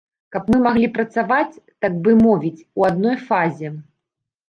Каб мы маглі працаваць, так бы мовіць, у адной фазе.